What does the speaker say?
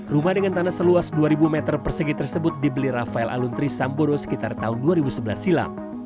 rumah dengan tanah seluas dua ribu meter persegi tersebut dibeli rafael aluntri sambodo sekitar tahun dua ribu sebelas silam